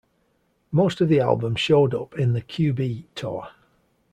Most of the album showed up in the Cube-E tour.